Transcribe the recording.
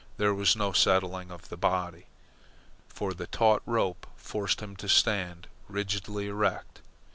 There was no settling of the body, for the taut rope forced him to stand rigidly erect.